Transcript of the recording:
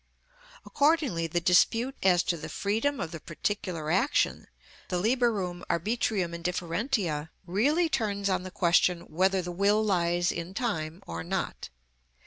Accordingly the dispute as to the freedom of the particular action, the liberum arbitrium indifferentiæ, really turns on the question whether the will lies in time or not.